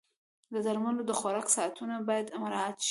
د درملو د خوراک ساعتونه باید مراعت شي.